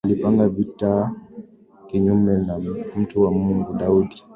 Alipanga vita kinyume na mtu wa Mungu, Daudi.